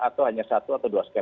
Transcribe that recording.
atau hanya satu atau dua skema